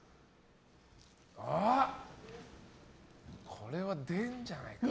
これは出るんじゃないか？